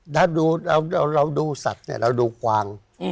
ถ้าเราดูสัตว์เนี่ยเราดูกวาง